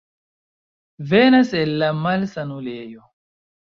Venas el la malsanulejo?